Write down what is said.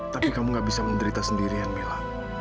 tapi kamu gak bisa menderita sendirian mila